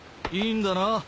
いいんだな？